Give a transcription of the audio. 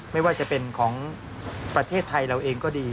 ไม่ว่าจะเป็นของประเทศไทยเราเองก็ดี